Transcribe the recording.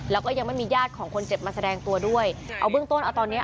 แล้วก็ยังไม่มีญาติของคนเจ็บมาแสดงตัวด้วยเอาเบื้องต้นเอาตอนเนี้ย